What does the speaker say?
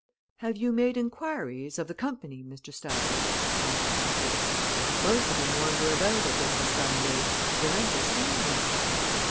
"Have you made inquiries of the company, Mr. Stafford?" asked Hackett. "Most of 'em wander about a bit of a Sunday they might have seen him."